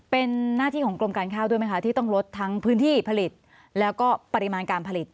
เป็นหน้าที่ของกรมการข้าวด้วยไหมคะที่ต้องลดทั้งพื้นที่ผลิตแล้วก็ปริมาณการผลิต